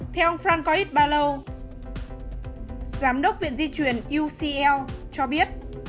theo ông frank coitbalo giám đốc viện di truyền ucl cho biết